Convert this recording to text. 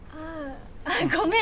あっごめん